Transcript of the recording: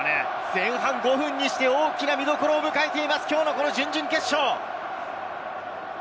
前半５分にして、大きな見どころを迎えています準々決勝。